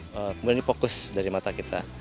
kemudian ini fokus dari mata kita